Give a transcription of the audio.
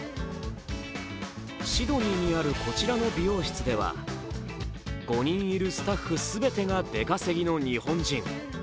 シドニーにあるこちらの美容室では５人いるスタッフ全てが出稼ぎの日本人。